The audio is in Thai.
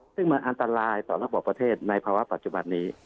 ซึ่งมันอันตรายต่อระบบประเทศในภาวะปัจจุบันนี้